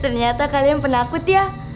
ternyata kalian penakut ya